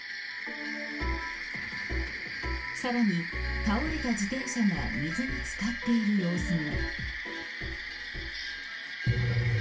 さらに、倒れた自転車が水に漬かっている様子も。